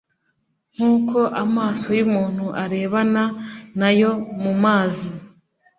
nk’uko amaso y’umuntu arebana n’ayo mu mazi